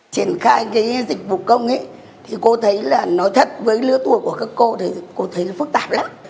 triển khai dịch vụ công thì cô thấy là nói thật với lứa tuổi của các cô thì cô thấy phức tạp lắm